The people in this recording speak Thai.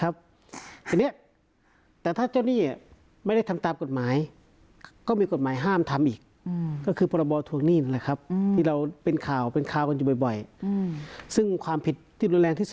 แบบนี้